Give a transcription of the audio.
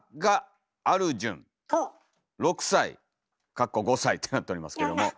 「かっこ５さい」ってなっておりますけども。